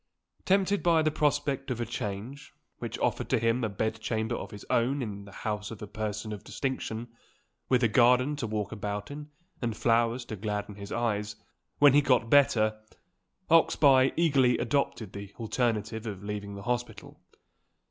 Tempted by the prospect of a change, which offered to him a bed chamber of his own in the house of a person of distinction with a garden to walk about in, and flowers to gladden his eyes, when he got better Oxbye eagerly adopted the alternative of leaving the hospital.